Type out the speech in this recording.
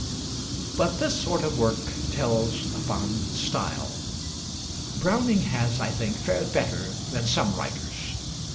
But this sort of work tells upon style. Browning has, I think, fared better than some writers.